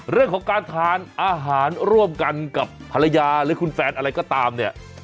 เรื่องของการทานอาหารร่วมกันกับภรรยาหรือคุณแฟนอะไรก็ตามเนี่ย